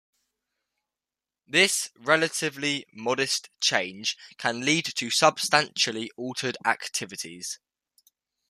This relatively modest change can lead to substantially altered activities.